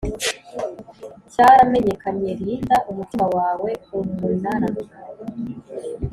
cyaramenyekanye Rinda umutima wawe Umunara